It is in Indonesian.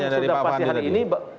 ya pasti yang sudah pasti hari ini